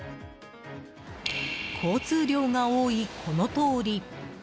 交通量が多いこの通り。